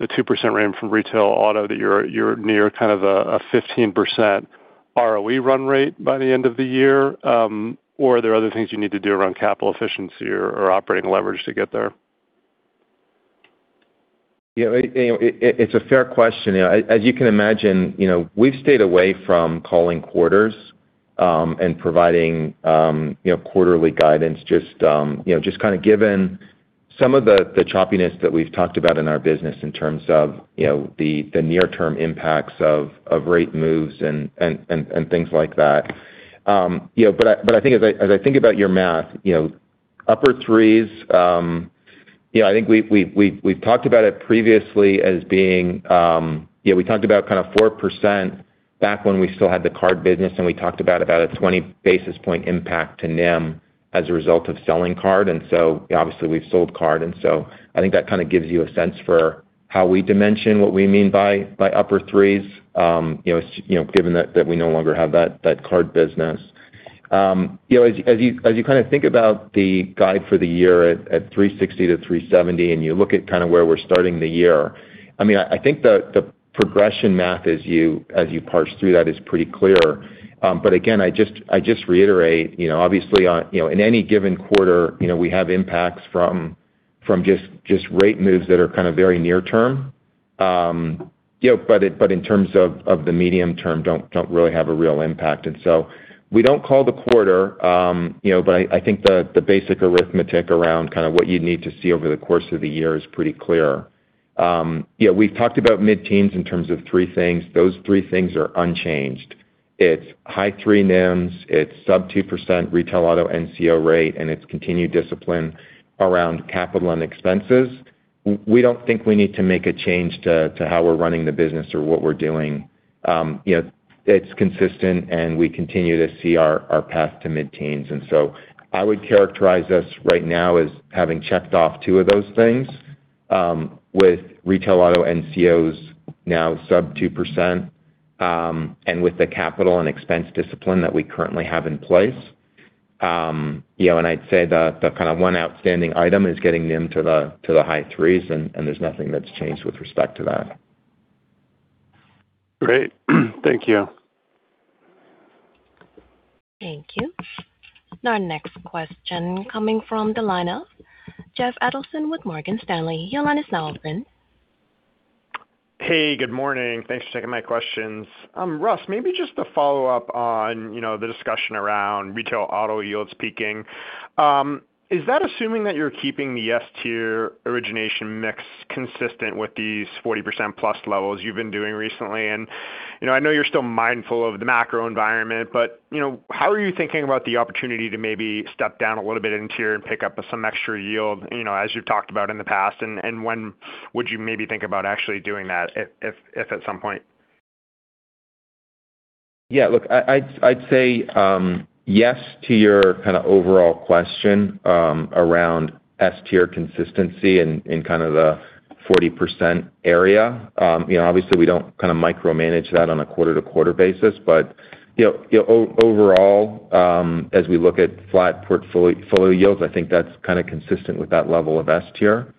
2% range from retail auto that you're near kind of a 15% ROE run rate by the end of the year? Or are there other things you need to do around capital efficiency or operating leverage to get there? Yeah. It's a fair question. As you can imagine, we've stayed away from calling quarters and providing quarterly guidance just kind of given some of the choppiness that we've talked about in our business in terms of the near-term impacts of rate moves and things like that. But I think, as I think about your math—upper threes—I think we've talked about it previously as being we talked about kind of 4% back when we still had the card business, and we talked about a 20 basis point impact to NIM as a result of selling card. And so obviously, we've sold card. And so I think that kind of gives you a sense for how we dimension what we mean by upper threes, given that we no longer have that card business. As you kind of think about the guide for the year at 360-370, and you look at kind of where we're starting the year, I mean, I think the progression math as you parse through that is pretty clear. But again, I just reiterate, obviously, in any given quarter, we have impacts from just rate moves that are kind of very near term. But in terms of the medium term, don't really have a real impact. And so we don't call the quarter, but I think the basic arithmetic around kind of what you'd need to see over the course of the year is pretty clear. We've talked about mid-teens in terms of three things. Those three things are unchanged. It's high three NIMs, it's sub 2% retail auto NCO rate, and it's continued discipline around capital and expenses. We don't think we need to make a change to how we're running the business or what we're doing. It's consistent, and we continue to see our path to mid-teens. And so I would characterize us right now as having checked off two of those things with retail auto NCOs now sub 2% and with the capital and expense discipline that we currently have in place. And I'd say the kind of one outstanding item is getting NIM to the high threes, and there's nothing that's changed with respect to that. Great. Thank you. Thank you. And our next question coming from the line of Jeff Adelson with Morgan Stanley. Your line is now open. Hey, good morning. Thanks for taking my questions. Russ, maybe just to follow up on the discussion around retail auto yields peaking. Is that assuming that you're keeping the S-tier origination mix consistent with these 40% plus levels you've been doing recently? And I know you're still mindful of the macro environment, but how are you thinking about the opportunity to maybe step down a little bit in tier and pick up some extra yield as you've talked about in the past? And when would you maybe think about actually doing that if at some point? Yeah. Look, I'd say yes to your kind of overall question around S-Tier consistency in kind of the 40% area. Obviously, we don't kind of micromanage that on a quarter-to-quarter basis. But overall, as we look at flat portfolio yields, I think that's kind of consistent with that level of S-Tier.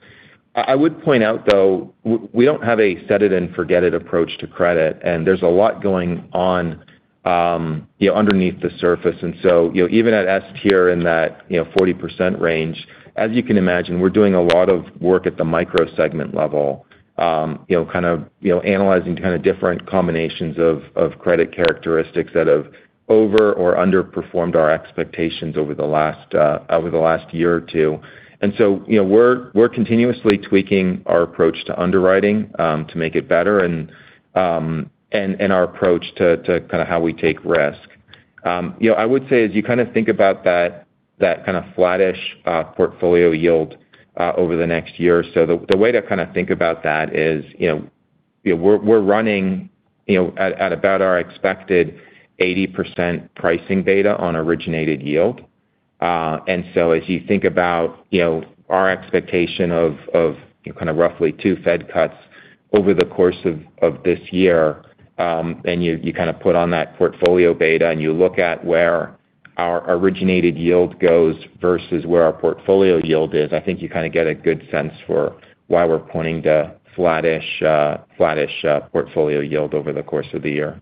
I would point out, though, we don't have a set-it-and-forget-it approach to credit, and there's a lot going on underneath the surface. And so even at S-Tier in that 40% range, as you can imagine, we're doing a lot of work at the micro-segment level, kind of analyzing kind of different combinations of credit characteristics that have over or underperformed our expectations over the last year or two. And so we're continuously tweaking our approach to underwriting to make it better and our approach to kind of how we take risk. I would say as you kind of think about that kind of flattish portfolio yield over the next year, so the way to kind of think about that is we're running at about our expected 80% pricing beta on originated yield. And so as you think about our expectation of kind of roughly two Fed cuts over the course of this year, and you kind of put on that portfolio beta and you look at where our originated yield goes versus where our portfolio yield is, I think you kind of get a good sense for why we're pointing to flattish portfolio yield over the course of the year.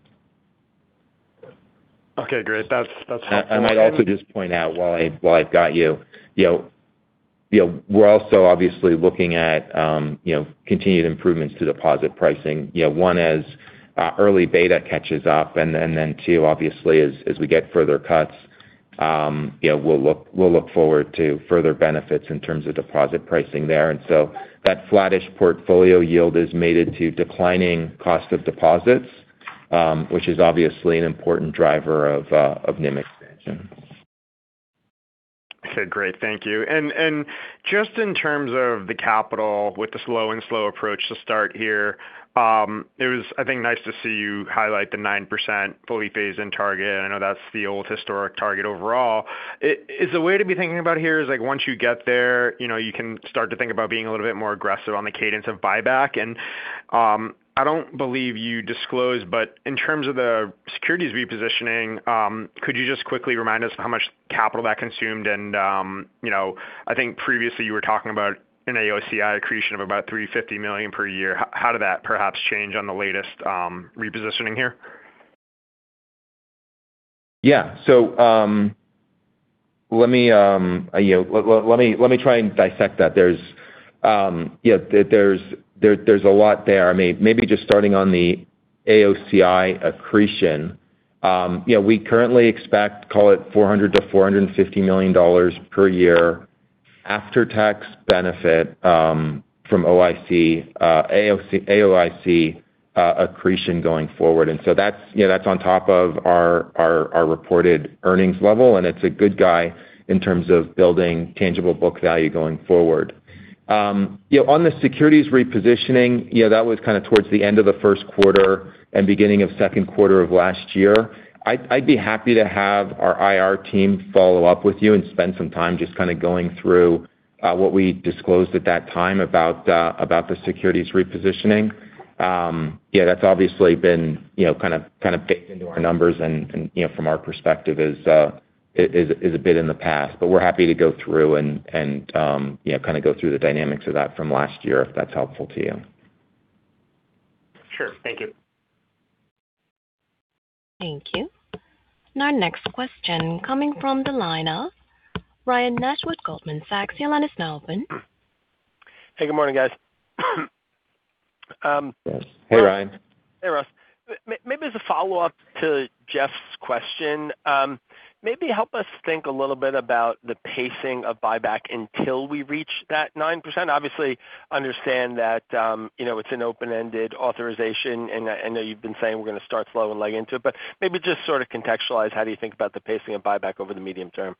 Okay. Great. That's helpful. And I'd also just point out while I've got you, we're also obviously looking at continued improvements to deposit pricing. One is early beta catches up, and then two, obviously, as we get further cuts, we'll look forward to further benefits in terms of deposit pricing there. And so that flattish portfolio yield is mated to declining cost of deposits, which is obviously an important driver of NIM expansion. Okay. Great. Thank you. Just in terms of the capital with the slow and steady approach to start here, it was, I think, nice to see you highlight the 9% fully phased-in target. I know that's the old historic target overall. Is the way to be thinking about here is once you get there, you can start to think about being a little bit more aggressive on the cadence of buyback. And I don't believe you disclosed, but in terms of the securities repositioning, could you just quickly remind us of how much capital that consumed? And I think previously you were talking about an AOCI accretion of about $350 million per year. How did that perhaps change on the latest repositioning here? Yeah. So let me try and dissect that. There's a lot there. I mean, maybe just starting on the AOCI accretion, we currently expect, call it $400 million-$450 million per year after-tax benefit from AOCI accretion going forward. And so that's on top of our reported earnings level, and it's a good guy in terms of building tangible book value going forward. On the securities repositioning, that was kind of towards the end of the first quarter and beginning of second quarter of last year. I'd be happy to have our IR team follow up with you and spend some time just kind of going through what we disclosed at that time about the securities repositioning. Yeah, that's obviously been kind of baked into our numbers and from our perspective is a bit in the past. But we're happy to go through and kind of go through the dynamics of that from last year if that's helpful to you. Sure. Thank you. Thank you. And our next question coming from the line of Ryan Nash with Goldman Sachs. Your line is now open. Hey, good morning, guys. Hey, Ryan. Hey, Russ. Maybe as a follow-up to Jeff's question, maybe help us think a little bit about the pacing of buyback until we reach that 9%. Obviously, understand that it's an open-ended authorization, and I know you've been saying we're going to start slow and leg into it. But maybe just sort of contextualize how do you think about the pacing of buyback over the medium term?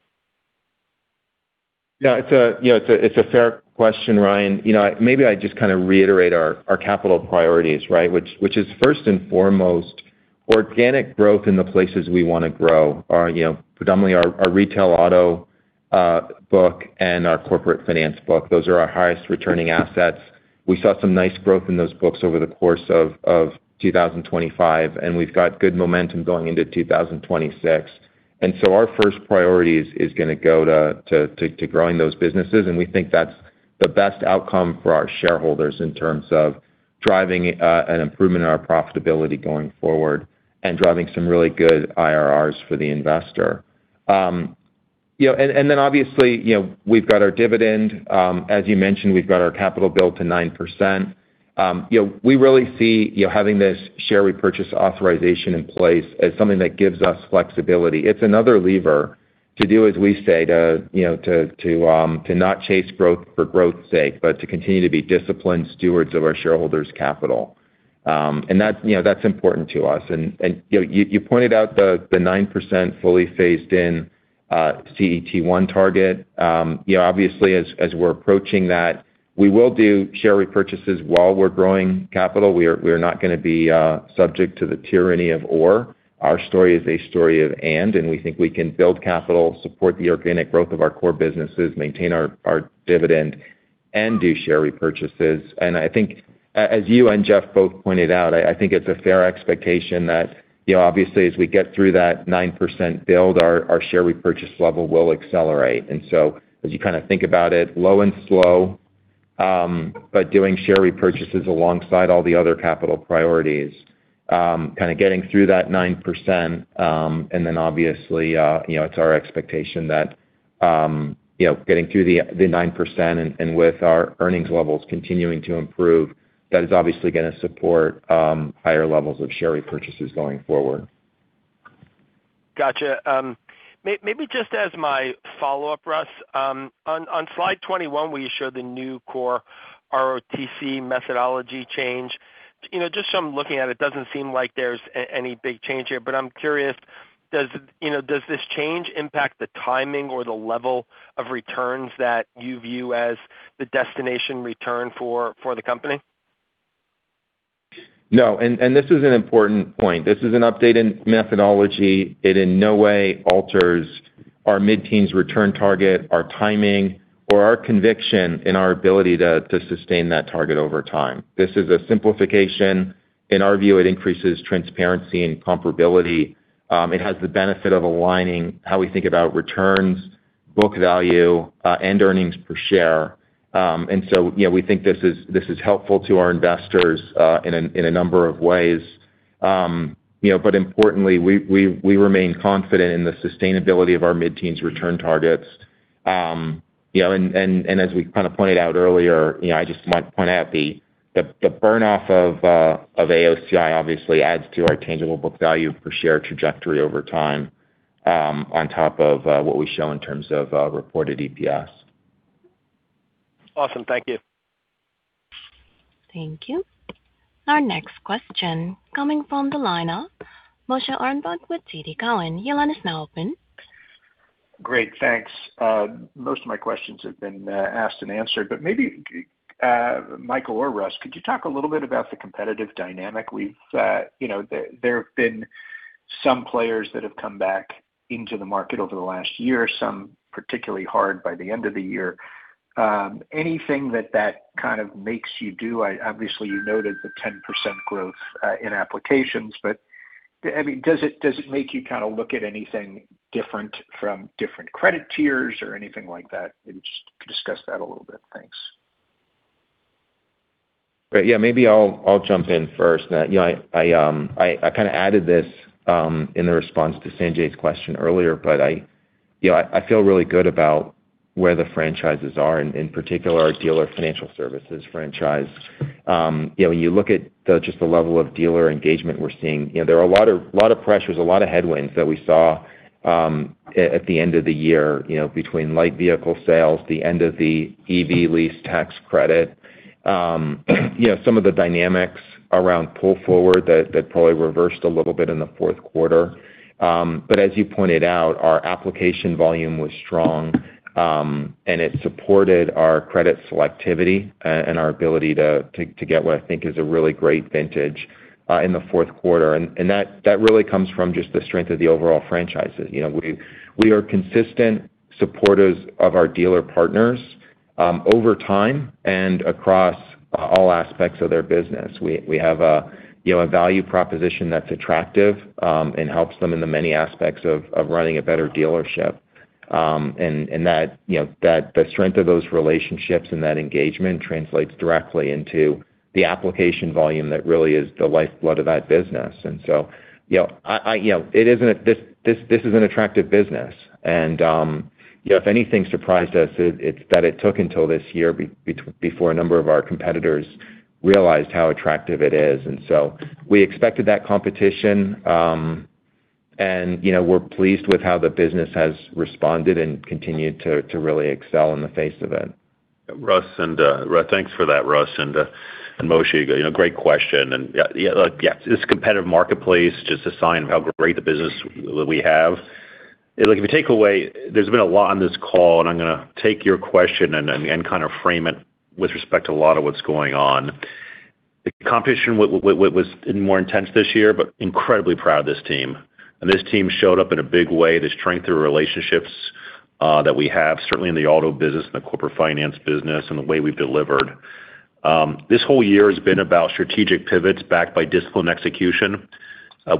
Yeah. It's a fair question, Ryan. Maybe I just kind of reiterate our capital priorities, right, which is first and foremost organic growth in the places we want to grow, predominantly our retail auto book and our corporate finance book. Those are our highest returning assets. We saw some nice growth in those books over the course of 2025, and we've got good momentum going into 2026. And so our first priority is going to go to growing those businesses, and we think that's the best outcome for our shareholders in terms of driving an improvement in our profitability going forward and driving some really good IRRs for the investor. And then obviously, we've got our dividend. As you mentioned, we've got our capital built to 9%. We really see having this share repurchase authorization in place as something that gives us flexibility. It's another lever to do as we say to not chase growth for growth's sake, but to continue to be disciplined stewards of our shareholders' capital. And that's important to us. And you pointed out the 9% fully phased-in CET1 target. Obviously, as we're approaching that, we will do share repurchases while we're growing capital. We are not going to be subject to the tyranny of or. Our story is a story of and, and we think we can build capital, support the organic growth of our core businesses, maintain our dividend, and do share repurchases. And I think as you and Jeff both pointed out, I think it's a fair expectation that obviously as we get through that 9% build, our share repurchase level will accelerate. And so as you kind of think about it, low and slow, but doing share repurchases alongside all the other capital priorities, kind of getting through that 9%, and then obviously it's our expectation that getting through the 9% and with our earnings levels continuing to improve, that is obviously going to support higher levels of share repurchases going forward. Gotcha. Maybe just as my follow-up, Russ, on slide 21, we show the new core ROTCE methodology change. Just from looking at it, it doesn't seem like there's any big change here. But I'm curious, does this change impact the timing or the level of returns that you view as the destination return for the company? No, and this is an important point. This is an updated methodology. It in no way alters our mid-teens return target, our timing, or our conviction in our ability to sustain that target over time. This is a simplification. In our view, it increases transparency and comparability. It has the benefit of aligning how we think about returns, book value, and earnings per share, and so we think this is helpful to our investors in a number of ways, but importantly, we remain confident in the sustainability of our mid-teens return targets. And as we kind of pointed out earlier, I just might point out the burn-off of AOCI obviously adds to our tangible book value per share trajectory over time on top of what we show in terms of reported EPS. Awesome. Thank you. Thank you. Our next question coming from the line of Moshe Orenbuch with TD Cowen. Your line is now open. Great. Thanks. Most of my questions have been asked and answered. But maybe Michael or Russ, could you talk a little bit about the competitive dynamic? There have been some players that have come back into the market over the last year, some particularly hard by the end of the year. Anything that that kind of makes you do? Obviously, you noted the 10% growth in applications, but I mean, does it make you kind of look at anything different from different credit tiers or anything like that? Maybe just discuss that a little bit. Thanks. Great. Yeah. Maybe I'll jump in first. I kind of added this in the response to Sanjay's question earlier, but I feel really good about where the franchises are, in particular our Dealer Financial Services franchise. When you look at just the level of dealer engagement we're seeing, there are a lot of pressures, a lot of headwinds that we saw at the end of the year between light vehicle sales, the end of the EV lease tax credit, some of the dynamics around pull forward that probably reversed a little bit in the fourth quarter. But as you pointed out, our application volume was strong, and it supported our credit selectivity and our ability to get what I think is a really great vintage in the fourth quarter. And that really comes from just the strength of the overall franchises. We are consistent supporters of our dealer partners over time and across all aspects of their business. We have a value proposition that's attractive and helps them in the many aspects of running a better dealership. And that the strength of those relationships and that engagement translates directly into the application volume that really is the lifeblood of that business. And so it isn't. This is an attractive business. And if anything surprised us, it's that it took until this year before a number of our competitors realized how attractive it is. And so we expected that competition, and we're pleased with how the business has responded and continued to really excel in the face of it. Russ, and Russ, thanks for that, Russ, and Moshe. Great question. And yeah, this competitive marketplace is just a sign of how great the business that we have. If you take away, there's been a lot on this call, and I'm going to take your question and kind of frame it with respect to a lot of what's going on. The competition was more intense this year, but incredibly proud of this team. And this team showed up in a big way. The strength of relationships that we have, certainly in the auto business, in the corporate finance business, and the way we've delivered. This whole year has been about strategic pivots backed by discipline execution.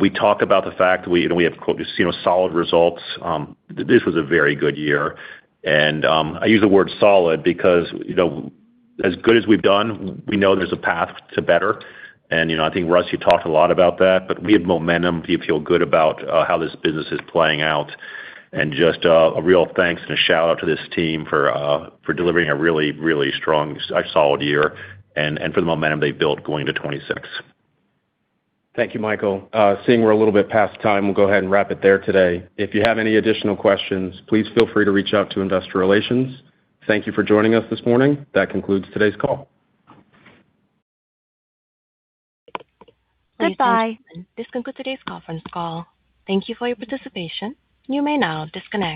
We talk about the fact that we have solid results. This was a very good year. And I use the word solid because as good as we've done, we know there's a path to better. And I think, Russ, you talked a lot about that, but we have momentum. You feel good about how this business is playing out. And just a real thanks and a shout-out to this team for delivering a really, really strong, solid year and for the momentum they built going into 2026. Thank you, Michael. Seeing we're a little bit past time, we'll go ahead and wrap it there today. If you have any additional questions, please feel free to reach out to Investor Relations. Thank you for joining us this morning. That concludes today's call. Goodbye. This concludes today's conference call. Thank you for your participation. You may now disconnect.